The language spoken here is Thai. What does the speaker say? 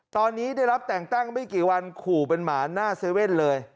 ตอนนี้ได้รับแต่งตั้งไม่กี่วันขู่เป็นหมาหน้าเว่นเลย